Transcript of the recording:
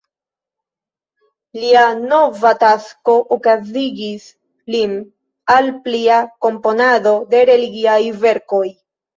Lia nova tasko okazigis lin al plia komponado de religiaj verkoj.